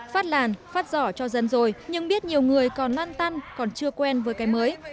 phát làn phát giỏ cho dân rồi nhưng biết nhiều người còn năn tăn còn chưa quen với cái mới